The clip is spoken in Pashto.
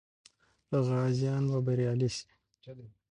غازیان به بریالي سي.